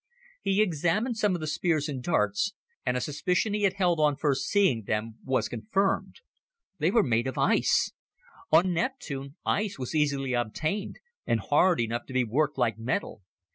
He examined some of the spears and darts, and a suspicion he had held on first seeing them was confirmed. These were made of ice! On Neptune, ice was easily obtained and hard enough to be worked like metal.